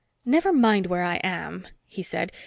"Never mind where I am," he said.